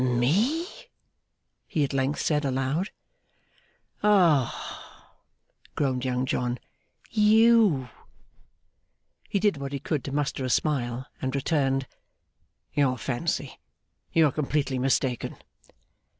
'Me!' he at length said aloud. 'Ah!' groaned Young John. 'You!' He did what he could to muster a smile, and returned, 'Your fancy. You are completely mistaken.